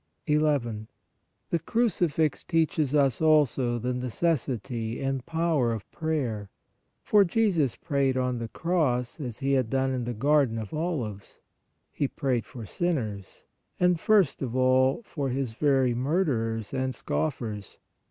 11. The Crucifix teaches us also the necessity and power of prayer, for Jesus prayed on the cross as He had done in the garden of olives ; he prayed for sin ners, and first of all for His very murderers and scoffers.